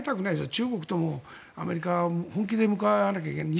中国ともアメリカは本気で向かい合わなきゃいけない。